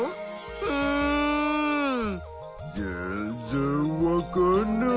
うん全然わかんない！